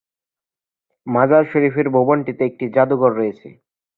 মাজার শরীফের ভবনটিতে একটি জাদুঘর রয়েছে।